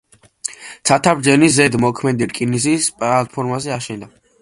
ცათამბჯენი ზედ მოქმედი რკინიგზის პლატფორმაზე აშენდა.